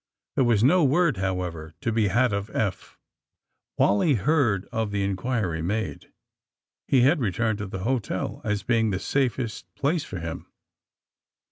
There was no word, however, to be had of Eph. Wally heard of the inquiry made. He had returned to the hotel as being the safest place for him.